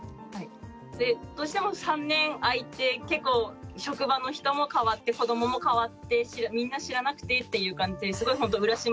どうしても３年空いて結構職場の人も変わって子どもも変わってみんな知らなくてっていう感じですごいほんと浦島